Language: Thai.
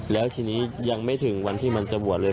แล้วทีนี้ยังไม่ถึงวันที่มันจะบวชเลย